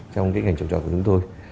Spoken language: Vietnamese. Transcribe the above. trong ngành trồng trọt của chúng tôi